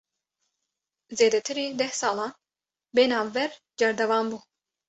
Zêdetirî deh salan, bê navber cerdevan bû